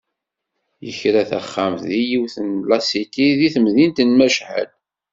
Yekra taxxamt deg yiwet n lasiti deg temdint n Machad.